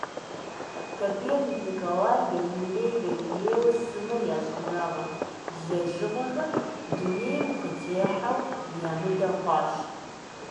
Коперник Николай, Галилей Галилео сымэ я щӏэныгъэ лэжьыгъэхэр дунейм къытехьэу ямыдэ хъуащ.